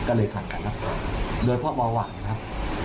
ก็เลยขัดการรักษาโดยเพราะเบาหวานครับ